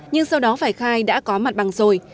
nhưng sau đó phải khai đã có mặt bằng rồi